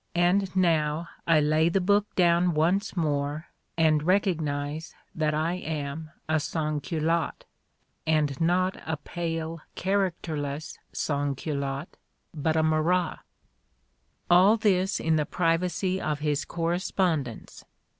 . and now I lay the book down once more, and recognize that I am a Sansculotte! — and not a pale, characterless Sans culotte, but a Marat." All this in the privacy of his correspondence!